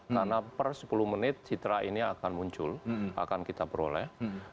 karena per sepuluh menit citra ini akan muncul akan kita beroleh